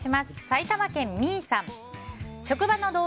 埼玉県の方。